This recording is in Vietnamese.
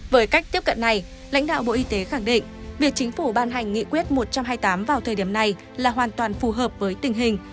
với cách tiếp cận này lãnh đạo bộ y tế khẳng định việc chính phủ ban hành nghị quyết một trăm hai mươi tám vào thời điểm này là hoàn toàn phù hợp với tình hình